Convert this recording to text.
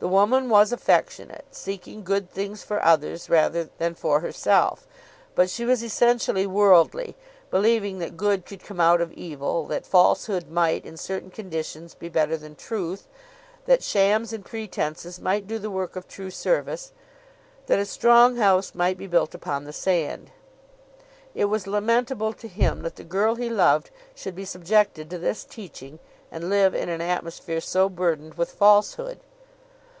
The woman was affectionate, seeking good things for others rather than for herself; but she was essentially worldly, believing that good could come out of evil, that falsehood might in certain conditions be better than truth, that shams and pretences might do the work of true service, that a strong house might be built upon the sand! It was lamentable to him that the girl he loved should be subjected to this teaching, and live in an atmosphere so burdened with falsehood.